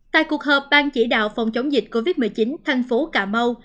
tại cuộc họp ban chỉ đạo phòng chống dịch covid một mươi chín thành phố cà mau